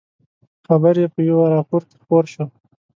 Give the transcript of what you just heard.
خبر یې په یوه راپور کې خپور شو.